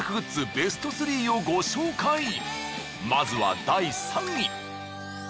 まずは第３位！